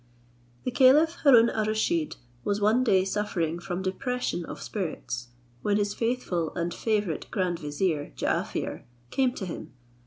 The caliph Haroon al Rusheed was one day suffering from depression of spirits, when his faithful and favourite grand vizier Jaaffier came to him.